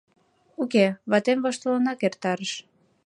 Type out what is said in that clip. Уке, ватем воштылынак эртарыш.